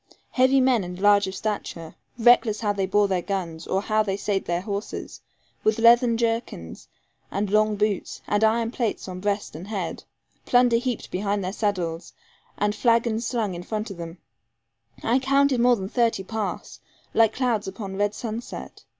Heavy men and large of stature, reckless how they bore their guns, or how they sate their horses, with leathern jerkins, and long boots, and iron plates on breast and head, plunder heaped behind their saddles, and flagons slung in front of them; I counted more than thirty pass, like clouds upon red sunset.